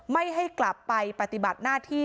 ไม่ให้กลับไปปฏิบัติหน้าที่